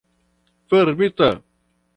fermita